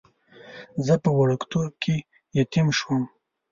زه په وړکتوب کې یتیم شوم.